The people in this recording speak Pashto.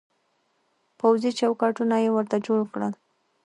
پوځي چوکاټونه يې ورته جوړ کړل.